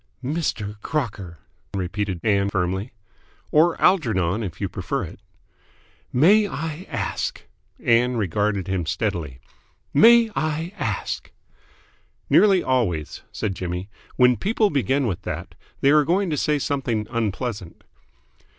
"Mr. Crocker!" repeated Ann firmly. "Or Algernon, if you prefer it." "May I ask " Ann regarded him steadily. "May I ask." "Nearly always," said Jimmy, "when people begin with that, they are going to say something unpleasant."